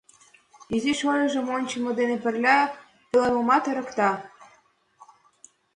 Изи шольыжым ончымо дене пырля пӧлемымат эрыкта.